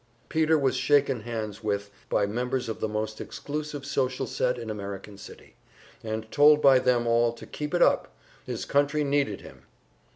Peter was shaken hands with by members of the most exclusive social set in American City, and told by them all to keep it up his country needed him.